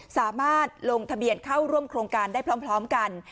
สามารถลงทะเบียนเข้าร่วมโครงการได้พร้อมกัน